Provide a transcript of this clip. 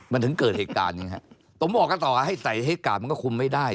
มันถึงเกิดเหตุการณ์ต้องบอกก็ต่อให้ใส่ใต้ก่าวมันก็คุมไม่ได้